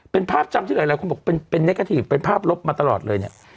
เป็นภาพจำที่หลายคนบอกเป็นเนกทีฟเป็นภาพลบมาตลอดเลยเนี่ย